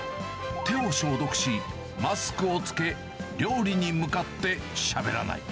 手を消毒し、マスクを着け、料理に向かってしゃべらない。